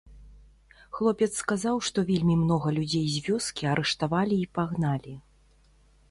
Хлопец сказаў, што вельмі многа людзей з вёскі арыштавалі і пагналі.